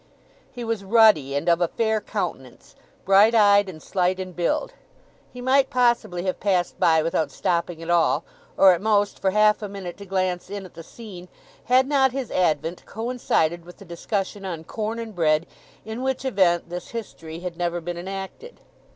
He was ruddy and of a fair countenance, bright eyed, and slight in build. He might possibly have passed by without stopping at all, or at most for half a minute to glance in at the scene, had not his advent coincided with the discussion on corn and bread, in which event this history had never been enacted.